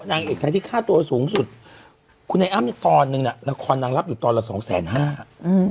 นางเอกใครที่ค่าตัวสูงสุดคุณไอ้อ้ำตอนนึงละครนางรับอยู่ตอนละ๒๕๐๐๐๐๐บาท